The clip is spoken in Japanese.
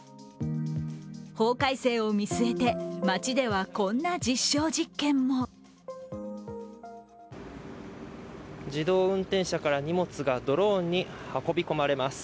法改正を見据えて、町ではこんな実証実験も自動運転車からドローンに荷物が運び込まれます。